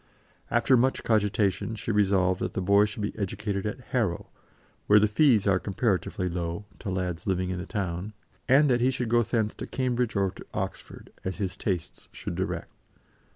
After much cogitation, she resolved that the boy should be educated at Harrow, where the fees are comparatively low to lads living in the town, and that he should go thence to Cambridge or to Oxford, as his tastes should direct.